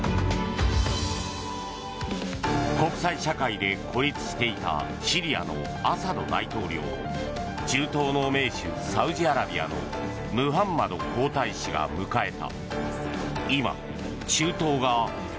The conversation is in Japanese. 国際社会で孤立していたシリアのアサド大統領を中東の盟主サウジアラビアのムハンマド皇太子が迎えた。